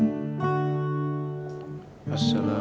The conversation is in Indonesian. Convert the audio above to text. ada apa ini ya allah